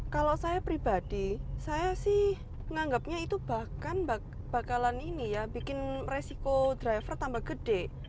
kalau saya pribadi saya sih menganggapnya itu bahkan bakalan ini ya bikin resiko driver tambah gede